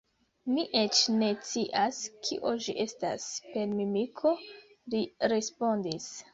Mi eĉ ne scias, kio ĝi estas « per mimiko », li respondis.